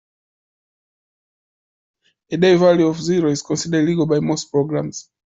A day value of zero is considered illegal by most programs.